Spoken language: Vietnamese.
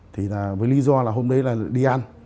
thì với lý do là hôm đấy là đi ăn